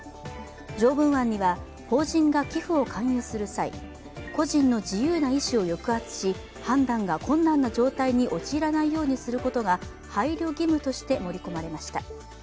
条文案には、法人が寄付を勧誘する際、個人の自由な意思を抑圧し判断が困難な状態に陥らないようにすることが配慮義務として盛り込まれました。